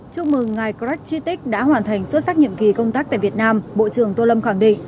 chúc mừng ngài cred chitik đã hoàn thành xuất sắc nhiệm kỳ công tác tại việt nam bộ trưởng tô lâm khẳng định